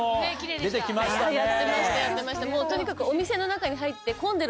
もうとにかくお店の中に入って。